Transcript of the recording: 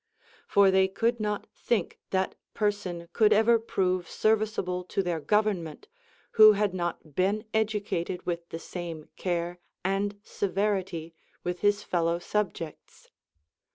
For they could not think that person could ever prove serviceable to their government, who had not been educated with the same care and severity with his fellow subjects.